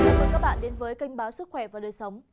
chào mừng các bạn đến với kênh báo sức khỏe và đời sống